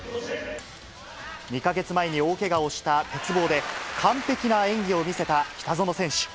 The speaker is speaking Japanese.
２か月前に大けがをした鉄棒で、完璧な演技を見せた北園選手。